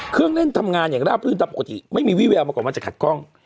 เครื่องเล่นทำงานระบทฤทธิปกติไม่มีวิววางมาก่อนมันจะขัดคล่อง